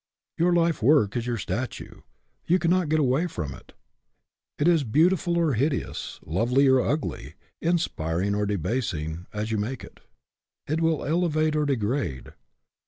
Your life work is your statue. You cannot get away from it. It is beautiful or hideous, lovely or ugly, inspiring or debasing, as you make it. It will elevate or degrade.